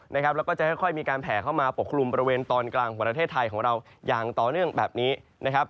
แล้วก็จะค่อยมีการแผ่เข้ามาปกคลุมบริเวณตอนกลางของประเทศไทยของเราอย่างต่อเนื่องแบบนี้นะครับ